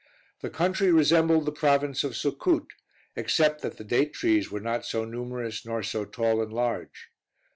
The country resembled the province of Succoot, except that the date trees were not so numerous nor so tall and large.